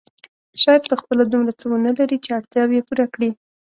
شاید په خپله دومره څه ونه لري چې اړتیاوې پوره کړي.